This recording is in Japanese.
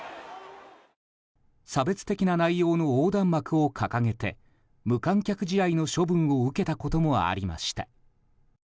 差別的な内容の横断幕を掲げて無観客試合の処分を受けたこともありました。